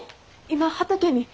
今畑に。